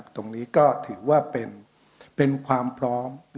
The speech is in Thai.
ตรงนี้ก็ถือว่าเป็นความพร้อม